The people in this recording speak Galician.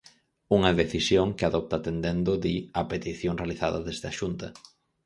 Unha decisión que adopta atendendo, di, á petición realizada desde a Xunta.